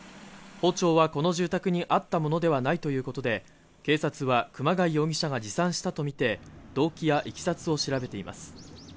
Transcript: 包丁はこの住宅にあったものではないということで警察は熊谷容疑者が持参したと見て動機やいきさつを調べています